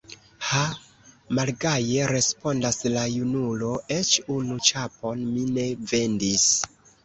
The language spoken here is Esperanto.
Ha, malgaje respondas la junulo, eĉ unu ĉapon mi ne vendis!